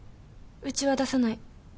うちは出さない。